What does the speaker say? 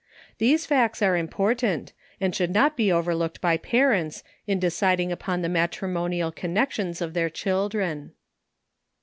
These facts are important, and should not be over looked by parents, in deciding upon the matrimonial con nections of their children.